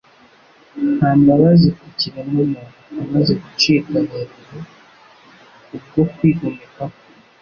nta mbabazi ku kiremwamuntu. Amaze gucibwa mu ijuru kubwo kwigomeka kwe,